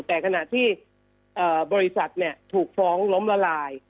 แต่ขณะที่บริษัทถูกฟ้องล้มละลาย